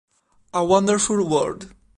A Wonderful World